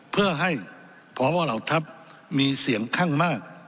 เพื่อให้พบเหล่าทัพมีเสียงข้างมาก